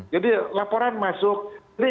jadi laporan masuk jadi